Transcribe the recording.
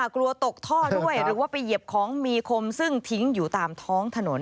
ตกท่อด้วยหรือว่าไปเหยียบของมีคมซึ่งทิ้งอยู่ตามท้องถนน